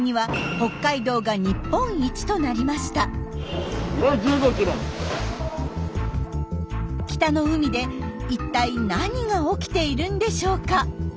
北の海で一体何が起きているんでしょうか？